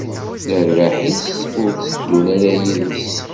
Lerbaḥ-is ur tteddun ara yid-s.